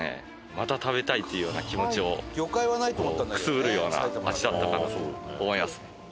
また食べたいというような気持ちをくすぐるような味だったかなと思いますね。